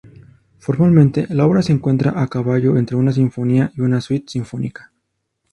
Formalmente, la obra se encuentra a caballo entre una sinfonía y una suite sinfónica.